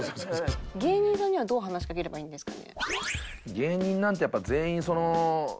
芸人さんにはどう話しかければいいんですかね？